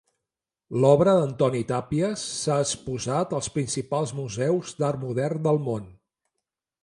L'obra d'Antoni Tàpies s'ha exposat als principals museus d'art modern del món.